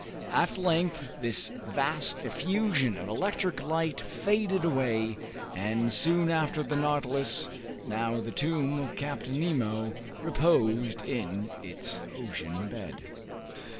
At length this vast effusion of electric light faded away, and soon after the "Nautilus," now the tomb of Captain Nemo, reposed in its ocean bed.